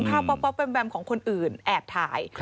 ภาพวับวับวับแวมของคนอื่นแอบถ่าย